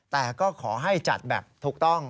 แต่ก็ขอให้จัดแบบถูกต้อง